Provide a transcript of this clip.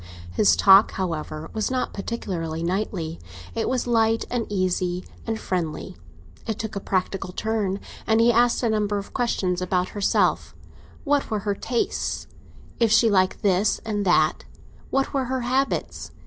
His talk, however, was not particularly knightly; it was light and easy and friendly; it took a practical turn, and he asked a number of questions about herself—what were her tastes—if she liked this and that—what were her habits.